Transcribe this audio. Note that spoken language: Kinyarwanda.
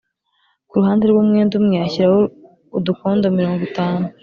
ku ruhande rw umwenda umwe ashyiraho udukondo mirongo itanu